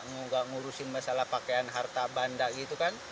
nggak ngurusin masalah pakaian harta banda gitu kan